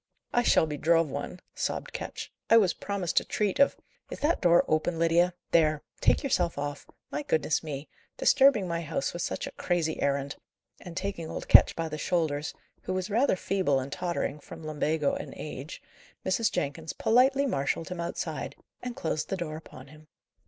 "I shall be drove one," sobbed Ketch. "I was promised a treat of " "Is that door open, Lydia? There! Take yourself off. My goodness, me! disturbing my house with such a crazy errand!" And, taking old Ketch by the shoulders, who was rather feeble and tottering, from lumbago and age, Mrs. Jenkins politely marshalled him outside, and closed the door upon him.